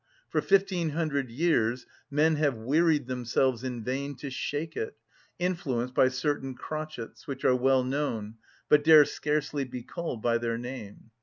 For fifteen hundred years men have wearied themselves in vain to shake it, influenced by certain crotchets, which are well known, but dare scarcely yet be called by their name.